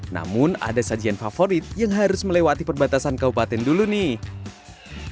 namun ada sajian favorit yang harus melewati perbatasan kabupaten dulu nih